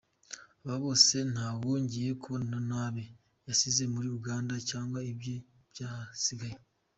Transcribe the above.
Aba bose nta wongeye kubonana n’abe yasize muri Uganda cyangwa ibye byahasigaye.